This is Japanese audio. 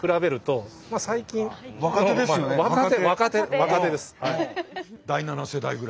若手です。